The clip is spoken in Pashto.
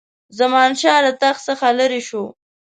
زمانشاه له تخت څخه لیري شو.